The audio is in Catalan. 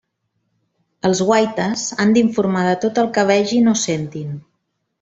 Els guaites han d'informar de tot el que vegin o sentin.